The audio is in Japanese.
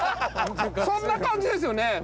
そんな感じですよね